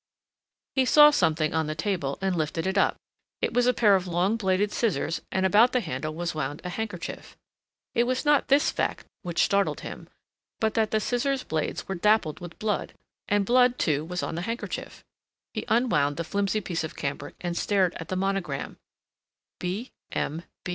He saw something on the table and lifted it up. It was a pair of long bladed scissors and about the handle was wound a handkerchief. It was not this fact which startled him, but that the scissors' blades were dappled with blood and blood, too, was on the handkerchief. He unwound the flimsy piece of cambric and stared at the monogram "B. M.